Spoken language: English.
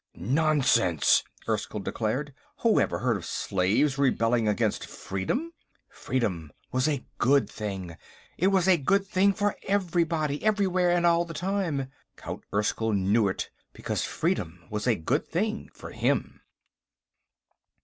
"Nonsense!" Erskyll declared. "Who ever heard of slaves rebelling against freedom?" Freedom was a Good Thing. It was a Good Thing for everybody, everywhere and all the time. Count Erskyll knew it, because freedom was a Good Thing for him.